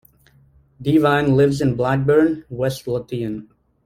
Devine lives in Blackburn, West Lothian.